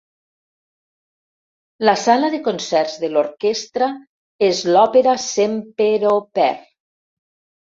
La sala de concerts de l'orquestra és l'òpera Semperoper.